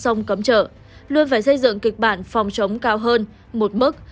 xong cấm trở luôn phải xây dựng kịch bản phòng chống cao hơn một mức